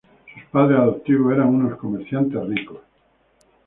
Sus padres adoptivos era unos comerciantes ricos.